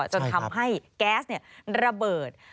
จนทำให้แก๊สระเบิด